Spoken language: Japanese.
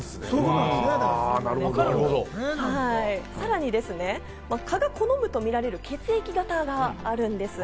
さらに、蚊が好むとみられる血液型があるんです。